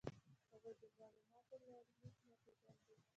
هغوی د مالوماتو لړلیک نه پېژانده.